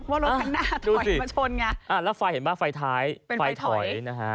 ว่ารถน้าได้ชนแล้วไฟเห็นมาไฟท้ายเนี้ย